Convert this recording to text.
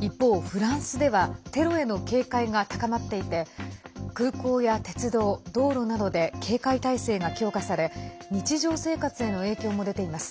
一方、フランスではテロへの警戒が高まっていて空港や鉄道、道路などで警戒態勢が強化され日常生活への影響も出ています。